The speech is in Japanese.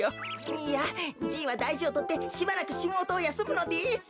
いやじいはだいじをとってしばらくしごとをやすむのです。